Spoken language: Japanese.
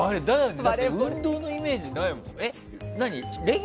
運動のイメージないもんね。